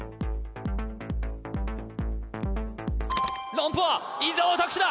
ランプは伊沢拓司だ！